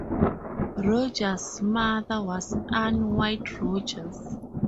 Rogers' mother was Ann White Rogers.